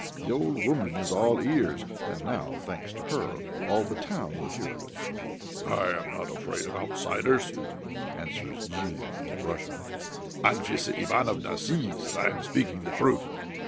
The old woman is all ears; and now, thanks to her, all the town will hear of it." "I am not afraid of outsiders," answers Zhilin in Russian. "Anfissa Ivanovna sees that I am speaking the truth.